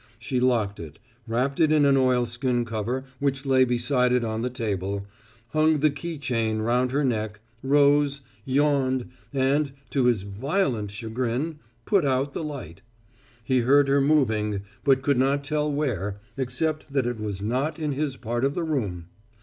She locked it, wrapped it in an oilskin cover which lay beside it on the table, hung the key chain round her neck, rose, yawned, and, to his violent chagrin, put out the light. He heard her moving but could not tell where, except that it was not in his part of the room.